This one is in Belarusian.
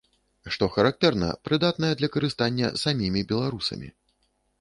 Што характэрна, прыдатная для карыстання самімі беларусамі.